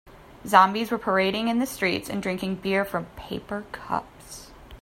Zombies were parading in the streets and drinking beer from paper cups.